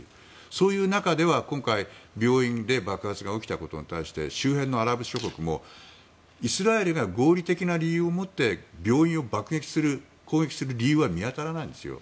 そういう中では今回病院で爆発が起きたことに対して周辺のアラブ諸国もイスラエルが合理的な理由をもって病院を爆撃する、攻撃する理由は見当たらないんですよ。